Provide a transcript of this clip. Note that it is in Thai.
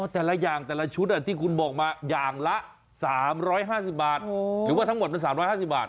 แต่ละอย่างแต่ละชุดที่คุณบอกมาอย่างละ๓๕๐บาทหรือว่าทั้งหมดมัน๓๕๐บาท